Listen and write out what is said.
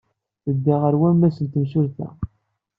Tedda ɣer wammas n temsulta.